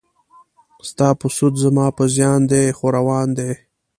ستا په سود زما په زیان دی خو روان دی.